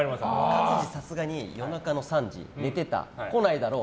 勝地、さすがに夜中の３時寝てた。来ないだろう。